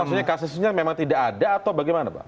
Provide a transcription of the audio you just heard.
maksudnya kasusnya memang tidak ada atau bagaimana pak